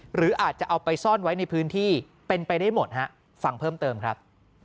หรืออาจจะเอาไปซ่อนไว้ในพื้นที่เป็นไปได้หมดฮะฟังเพิ่มเติมครับ